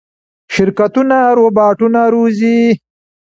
شرکتونه روباټونه روزي.